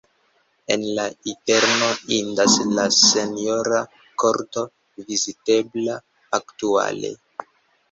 En la interno indas la senjora korto, vizitebla aktuale.